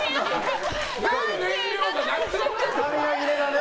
スタミナ切れだね。